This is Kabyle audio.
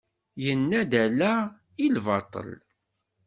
Yenna-d ala i lbaṭel.